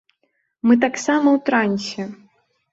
Мы таксама ў трансе!